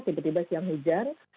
tiba tiba siang hujan